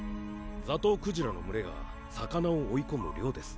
ザトウクジラの群れが魚を追い込む漁です。